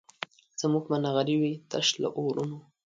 زموږ به نغري وي تش له اورونو